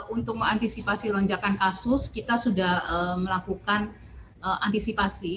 untuk mengantisipasi lonjakan kasus kita sudah melakukan antisipasi